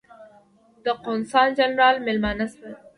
د قونسل جنرال مېلمانه شولو.